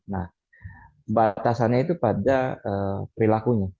nah batasannya itu pada perilakunya